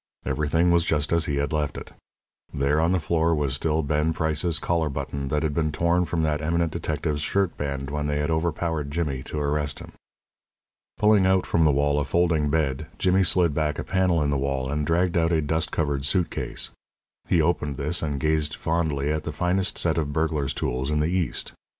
Everything was just as he had left it. There on the floor was still Ben Price's collar button that had been torn from that eminent detective's shirt band when they had overpowered Jimmy to arrest him. Pulling out from the wall a folding bed, Jimmy slid back a panel in the wall and dragged out a dust covered suit case. He opened this and gazed fondly at the finest set of burglar's tools in the East.